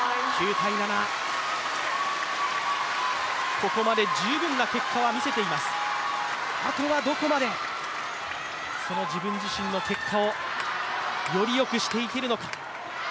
ここまで十分な結果を見せています、あとはどこまでその自分自身の結果をよりよくしていけるのか。